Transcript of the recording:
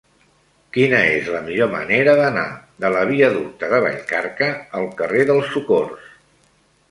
Quina és la millor manera d'anar de la viaducte de Vallcarca al carrer del Socors?